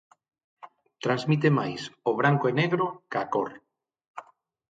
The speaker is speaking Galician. Transmite máis o branco e negro ca cor?